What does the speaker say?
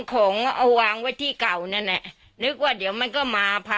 เก็บไว้เหมือนกัน